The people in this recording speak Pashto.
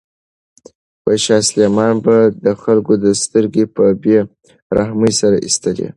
شاه سلیمان به د خلکو سترګې په بې رحمۍ سره ایستلې.